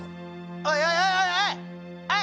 おいおい